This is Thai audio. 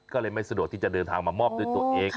ก็เลยไม่สะดวกที่จะเดินทางมามอบด้วยตัวเอง